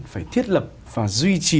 phải thiết lập và duy trì